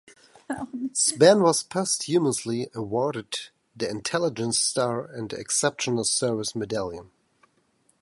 Spann was posthumously awarded the Intelligence Star and the Exceptional Service Medallion.